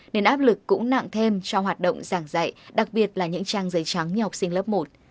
nên áp lực cũng nặng thêm cho hoạt động giảng dạy đặc biệt là những trang giấy trắng như học sinh lớp một